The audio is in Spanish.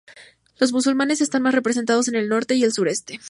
Los musulmanes están más representados en el norte y sureste.